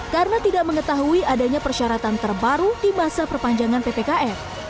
karena tidak mengetahui adanya persyaratan terbaru di masa perpanjangan ppkn